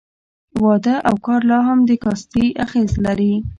واده او کار لا هم د کاستي اغېز لري.